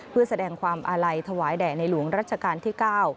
เพื่อแสดงความอาลัยถวายแด่ในหลวงรัชกาลที่๙